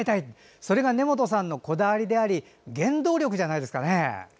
それが根本さんのこだわりであり原動力じゃないですかね。